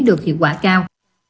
được hiệu quả cao